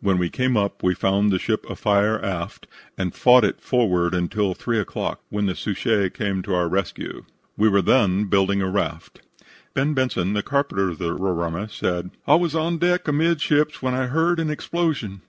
When we came up we found the ship afire aft, and fought it forward until 3 o'clock, when the Suchet came to our rescue. We were then building a raft." "Ben" Benson, the carpenter of the Roraima, said: "I was on deck, amidships, when I heard an explosion.